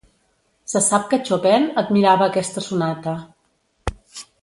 Se sap que Chopin admirava aquesta sonata.